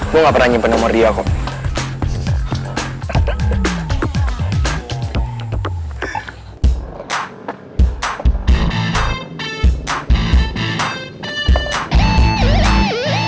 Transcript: gue gak pernah nyimpen nomor dia kok